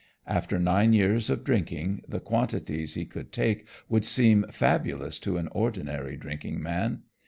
After nine years of drinking, the quantities he could take would seem fabulous to an ordinary drinking man.